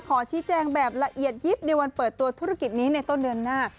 ขอชี้แจงแบบละเอียดยิบในวันเปิดตัวธุรกิจนี้ในต้นเดือนหน้า